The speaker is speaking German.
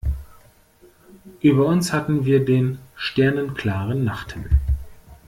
Über uns hatten wir den sternenklaren Nachthimmel.